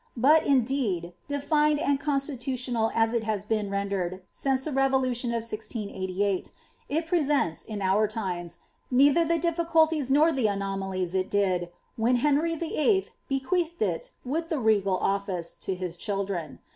But, indeed, defined and constitutional as it has been rendered since the revolution of 1688, it presents, in our tiroes, neither the difficulties nor the anomalies it did when Henry VII L bequeathed it,' with the regal office, to his children.